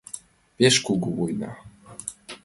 Пеш кугу война.